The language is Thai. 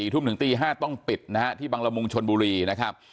๔ทุ่มถึงตี๕ต้องปิดนะฮะที่บริการชั่วโมงชนบุรีนะครับ